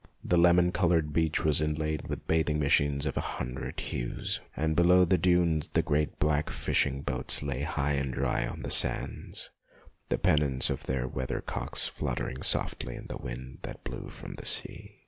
The lemon coloured beach was inlaid with bathing machines of a hundred hues, and below the dunes the great black fishing boats lay high and dry on the sands, the pennants of their weather cocks fluttering softly in the wind that blew from the sea.